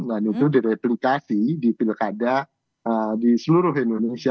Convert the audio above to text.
dan itu direplikasi di pilkada di seluruh indonesia